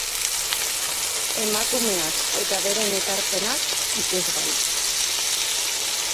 Emakumeak eta beren ekarpenak ikusgai.